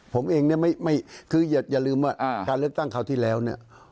ผมเองเนี่ยคืออย่าลืมว่าการเลือกตั้งคราวที่แล้วเนี่ย